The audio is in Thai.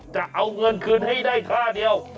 จะเอาเงินคืนให้ได้ท่าเดียว